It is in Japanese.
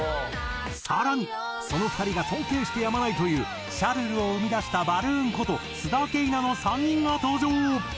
更にその２人が尊敬してやまないという『シャルル』を生み出したバルーンこと須田景凪の３人が登場。